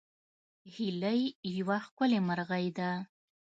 هیلۍ یوه ښکلې مرغۍ ده